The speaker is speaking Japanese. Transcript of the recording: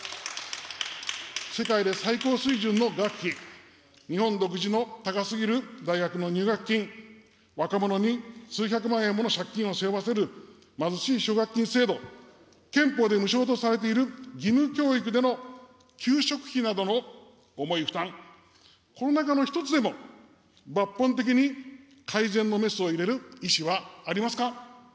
世界で最高水準の学費、日本独自の高すぎる大学の入学金、若者に数百万円もの借金を背負わせる貧しい奨学金制度、憲法で無償とされている義務教育での給食費などの重い負担、この中の一つでも抜本的に改善のメスを入れる意思はありますか。